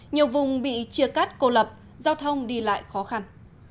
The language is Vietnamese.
nhiều vùng bị chia cắt cô lập giao thông đi lại khó khăn